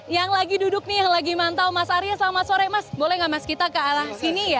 yang lagi duduk nih lagi mantau mas arya selamat sore mas boleh gak mas kita ke arah sini ya